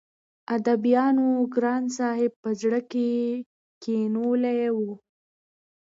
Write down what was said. اديبانو ګران صاحب په زړه کښې کښينولی وو